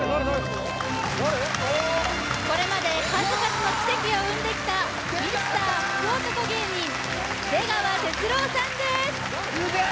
これまで数々の奇跡を生んできたミスター福男芸人出川哲朗さんですすげえ！